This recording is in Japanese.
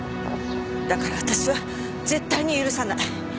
だから私は絶対に許さない！